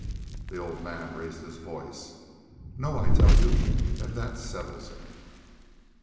The old man raised his voice: "No, I tell you. An' that settles it."